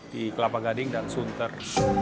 di kelapa gading dan sunter